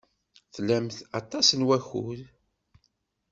Tlamt aṭas n wakud.